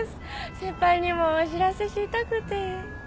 先輩にもお知らせしたくて。